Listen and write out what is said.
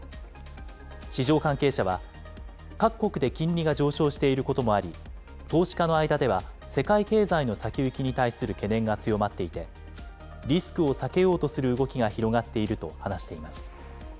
市場関係者は、各国で金利が上昇していることもあり、投資家の間では世界経済の先行きに対する懸念が強まっていて、リスクを避けようとする動きが広がっていると話しています。